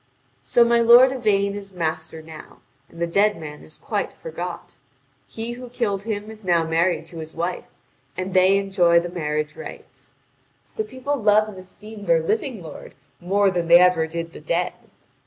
So my lord Yvain is master now, and the dead man is quite forgot. He who killed him is now married to his wife, and they enjoy the marriage rights. The people love and esteem their living lord more than they ever did the dead.